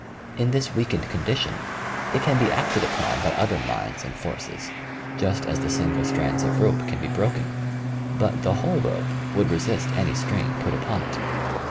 In this weakened condition, it can be acted upon by other minds and forces, just as the single strands of rope can be broken; but the whole rope would resist any strain put upon it.